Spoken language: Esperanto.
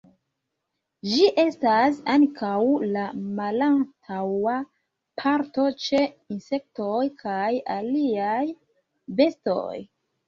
Ĝi estas ankaŭ la malantaŭa parto ĉe insektoj kaj aliaj bestoj.